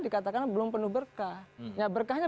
dikatakan belum penuh berkah ya berkahnya